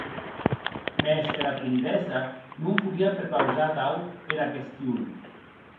Mès era comdessa non volie prepausar atau era question.